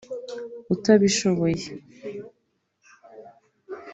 utabishoboye